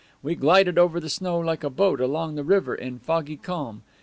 We glided over the snow like a boat along the river in foggy calm.